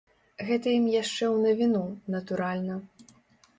Гэта ім яшчэ ў навіну, натуральна.